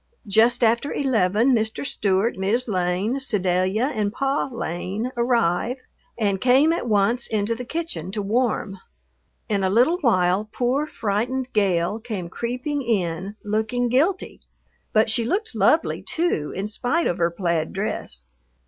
Just after eleven Mr. Stewart, Mis' Lane, Sedalia, and Pa Lane "arriv" and came at once into the kitchen to warm. In a little while poor, frightened Gale came creeping in, looking guilty. But she looked lovely, too, in spite of her plaid dress.